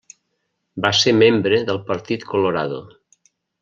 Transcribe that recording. Va ser membre del Partit Colorado.